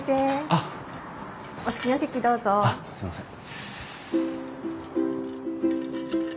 あっすいません。